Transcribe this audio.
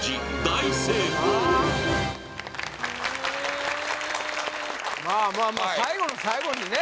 大成功まあまあまあ最後の最後にね